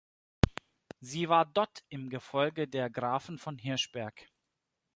Sie war dott im Gefolge der Grafen von Hirschberg.